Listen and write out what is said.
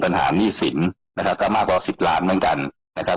หนี้สินนะครับก็มากกว่าสิบล้านเหมือนกันนะครับ